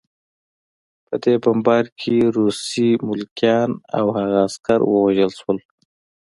په دې بمبار کې روسي ملکیان او هغه عسکر ووژل شول